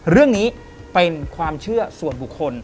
เรื่องนี้เป็นความเชื่อส่วนบุคคล